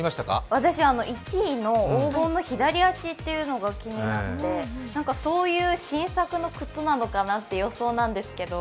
私、１位の黄金の左足というのが気になってそういう新作の靴なのかなっていう予想なんですけど。